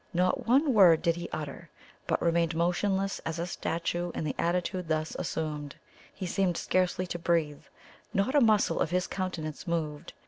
Not one word did he utter, but remained motionless as a statue in the attitude thus assumed he seemed scarcely to breathe not a muscle of his countenance moved.